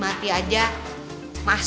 gak ada teman